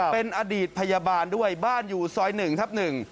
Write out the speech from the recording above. เป็นอดีตพยาบาลด้วยบ้านอยู่ซอย๑ทับ๑